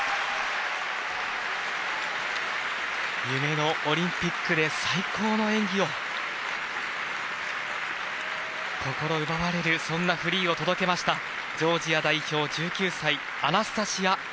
夢のオリンピックで最高の演技を心奪われるそんなフリーを届けました。